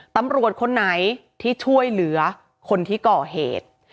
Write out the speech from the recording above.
ตำรวจคนไหนที่ช่วยเหลือคนที่ก่อเหตุ